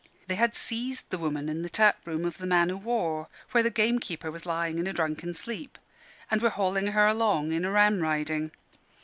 They had seized the woman in the taproom of the "Man o' War" where the gamekeeper was lying in a drunken sleep and were hauling her along in a Ram Riding.